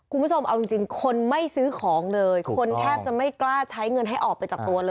คุณผู้ชมเอาจริงคนไม่ซื้อของเลยคนแทบจะไม่กล้าใช้เงินให้ออกไปจากตัวเลย